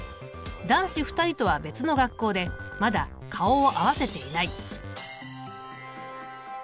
男子２人とは別の学校でまだ顔を合わせていない。